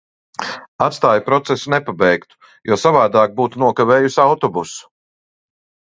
Atstāju procesu nepabeigtu, jo savādāk būtu nokavējusi autobusu.